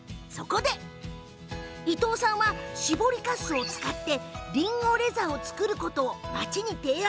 伊藤さんは搾りかすを使ってりんごレザーを作ることを町に提案。